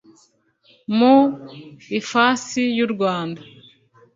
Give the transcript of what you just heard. mu ifasi y u rwanda